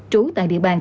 trú tại địa phương